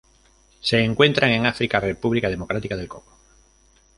Se encuentran en África: República Democrática del Congo.